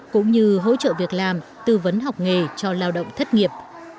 cũng như hỗ trợ việc làm tư vấn học nghề cho lao động thất nghiệp